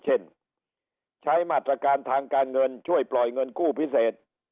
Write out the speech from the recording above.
เช่นใช้มาตรการทางการเงินช่วยปล่อยเงินกู้พิเศษ